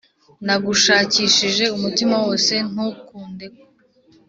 Nagushakishije umutima wose Ntukunde ko